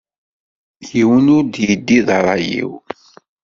Yiwen ur d-yeddi d rray-iw.